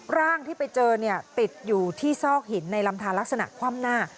ร่างที่ไปเจอเนี่ยติดอยู่ที่ซอกหินในลำทานลักษณะคว่ำหน้า